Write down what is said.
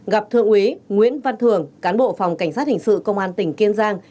gặp thượng úy nguyễn văn thường cán bộ phòng cảnh sát hình sự công an tỉnh kiên giang